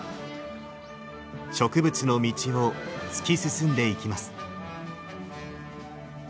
植物の道を突き進んでいきます。